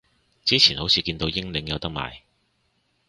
之前好似見到英領有得賣